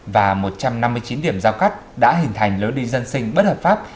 và một trăm năm mươi chín điểm giao cắt đã hình thành lối đi dân sinh bất hợp pháp